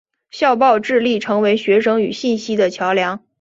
校报致力成为学生与信息的桥梁。